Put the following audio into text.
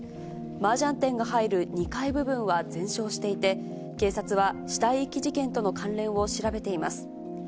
マージャン店が入る２階部分は全焼していて、警察は死体遺棄事件との関連を調べています。